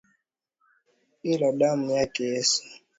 Ila damu yake Yesu